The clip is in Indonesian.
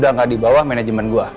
bahwa lo udah gak dibawah manajemen gue